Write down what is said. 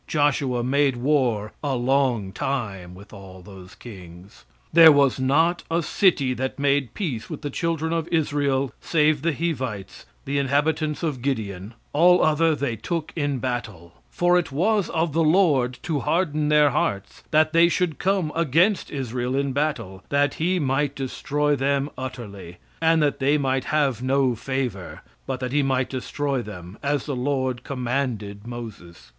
"Joshua made war a long time with all those kings. "There was not a city that made peace with the children of Israel, save the Hivites, the inhabitants of Gideon; all other they took in battle. "For it was of the Lord to harden their hearts, that they should come against Israel in battle, that he might destroy them utterly, and that they might have no favor, but that he might destroy them, as the Lord commanded Moses.